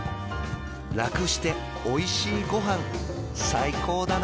楽しておいしいごはん最高だな！